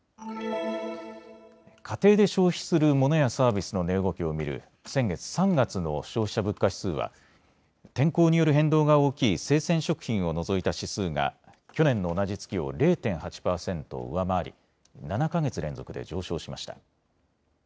家庭で消費するモノやサービスの値動きを見る先月３月の消費者物価指数は天候による変動が大きい生鮮食品を除いた指数が去年の同じ月を０．８％上回り７か月連続で上昇しました。